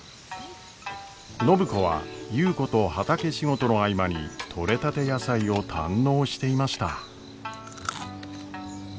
暢子は優子と畑仕事の合間に取れたて野菜を堪能していました。